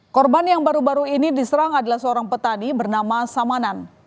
korban yang baru baru ini diserang adalah seorang petani bernama samanan